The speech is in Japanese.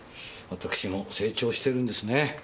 私も成長してるんですね。